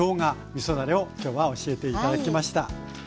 みそだれを今日は教えて頂きました。